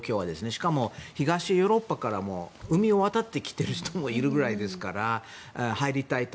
しかも、東ヨーロッパからも海を渡ってきている人もいるくらいですから入りたいと。